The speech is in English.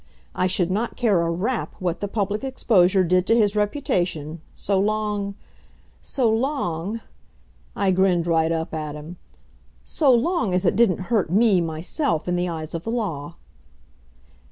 I should not care a rap what the public exposure did to his reputation, so long so long," I grinned right up at him, "so long as it didn't hurt me, myself, in the eyes of the law."